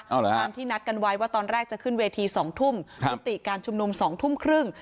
ความที่นัดกันไว้ว่าตอนแรกจะขึ้นเวที๒ทุ่มอุติการชุมนุม๒ทุ่มครึ่ง